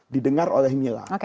didengar oleh mila